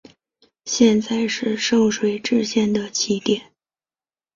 现在是圣水支线的起点。